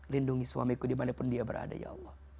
lindungi suamiku dimanapun dia berada ya allah